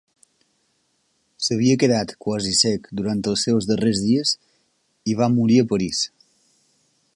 S'havia quedat quasi cec durant els seus darrers dies, i va morir a París.